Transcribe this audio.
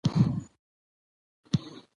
افغانستان کې کلي په هنر کې منعکس کېږي.